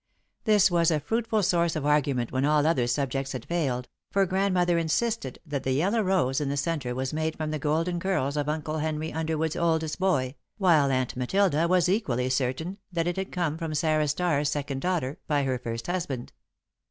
This was a fruitful source of argument when all other subjects had failed, for Grandmother insisted that the yellow rose in the centre was made from the golden curls of Uncle Henry Underwood's oldest boy, while Aunt Matilda was equally certain that it had come from Sarah Starr's second daughter by her first husband.